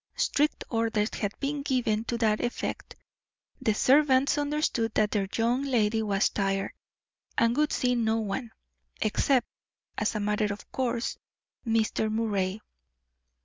Strict orders had been given to that effect the servants understood that their young lady was tired, and would see no one, except, as a matter of course, Mr. Moray.